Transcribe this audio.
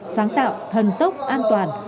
sáng tạo thần tốc an toàn